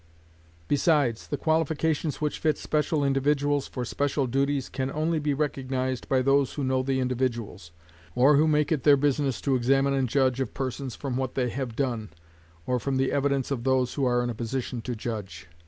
Besides, the qualifications which fit special individuals for special duties can only be recognized by those who know the individuals, or who make it their business to examine and judge of persons from what they have done, or from the evidence of those who are in a position to judge.